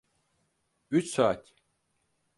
Üç saat.